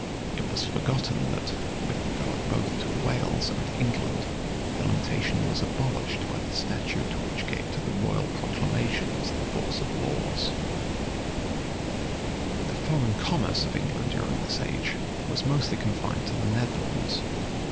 [*] It was forgotten that, with regard both to Wales and England, the limitation was abolished by the statute which gave to the royal proclamations the force of laws. * 34 Henry VIII. The foreign commerce of England during this age was mostly confined to the Netherlands.